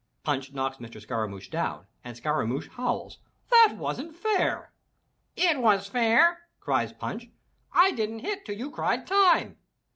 '" Punch knocks Mr. Scaramouch down and Scaramouch howls, "That wasn't fair!" "It was fair!" cries Punch, "I didn't hit till you cried Time.'